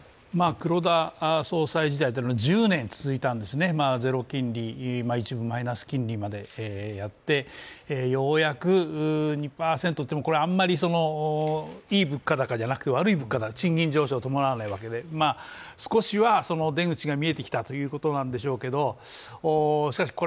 黒田総裁時代は１０年続いたんですね、ゼロ金利、一部マイナス金利までやって、ようやく２％あまりいい物価高ではなくて悪い物価高、賃金上昇を伴わないわけで、少しは出口が見えてきたということなんでしょうけど、しかし、